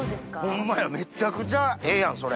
ホンマやめっちゃくちゃええやんそれ。